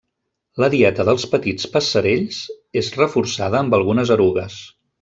La dieta dels petits passerells és reforçada amb algunes erugues.